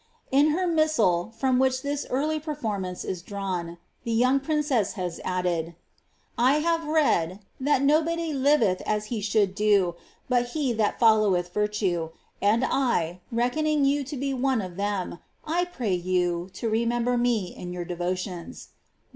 In her niisMil, from which ihis early perrurmance is drawn, the young princes* lias addcil :" I have read, that nobody liveth as he fhni * <lo bul he that followeih virtue ; and I, reckoning you I1 ihBjn, I pmv vou 10 remember me in your devotions.